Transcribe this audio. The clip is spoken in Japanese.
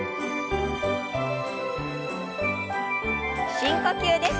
深呼吸です。